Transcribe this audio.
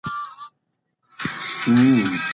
نجونې علم شریک کړي، ترڅو د اعتماد اړیکې قوي شي.